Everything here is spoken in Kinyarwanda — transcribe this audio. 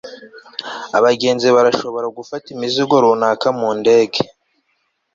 abagenzi barashobora gufata imizigo runaka mu ndege